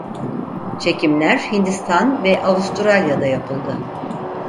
Çekimler Hindistan ve Avustralya'da yapıldı.